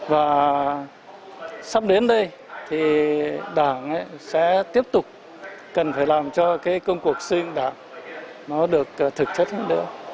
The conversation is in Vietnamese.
và sắp đến đây thì đảng sẽ tiếp tục cần phải làm cho cái công cuộc xuyên đảng nó được thực thất hơn nữa